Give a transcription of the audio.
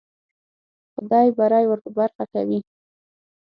خدای بری ور په برخه کوي.